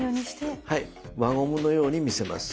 はい輪ゴムのように見せます。